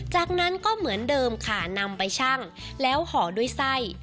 จากนั้นก็เหมือนเดิมค่ะนำไปชั่งแล้วห่อด้วยไส้